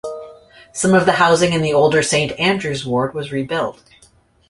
Some of the housing in the older Saint Andrew's Ward was rebuilt.